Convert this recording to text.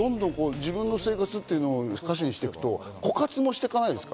自分の生活を歌詞にしていくと枯渇していかないですか？